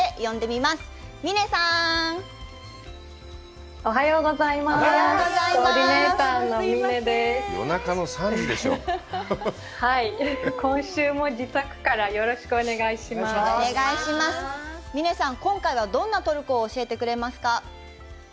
みねさん、今回はどんなトルコを教えてくれますか？